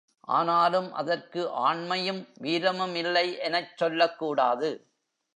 ஆனாலும் அதற்கு ஆண்மையும், வீரமும் இல்லை எனச் சொல்லக் கூடாது.